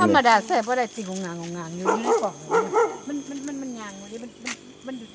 มันเคลื่อนที่